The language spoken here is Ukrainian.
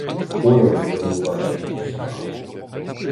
Оля відвернула набік уста.